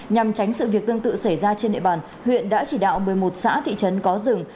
nhằm tránh sự việc tương tự xảy ra trên địa bàn huyện đã chỉ đạo một mươi một xã thị trấn có rừng